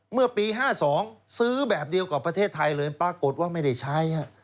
เมื่อปี๕๒ซื้อแบบเดียวกับประเทศไทยเลยปรากฏว่าไม่ได้ใช้